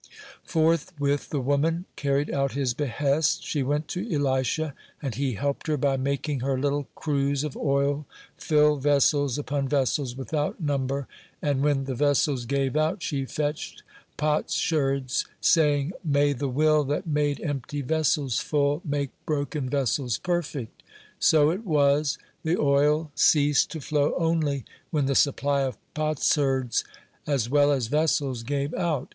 Forthwith the woman carried out his behest. She went to Elisha, and he helped her by making her little cruse of oil fill vessels upon vessels without number, and when the vessels gave out, she fetched potsherds, saying, "May the will that made empty vessels full, make broken vessels perfect." So it was. The oil ceased to flow only when the supply of potsherds as well as vessels gave out.